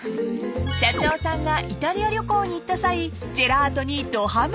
［社長さんがイタリア旅行に行った際ジェラートにどはまり］